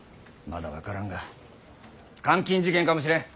まだ分からんが監禁事件かもしれん。